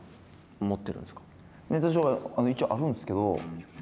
ネタ帳は一応あるんですけど。